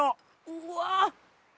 うわ。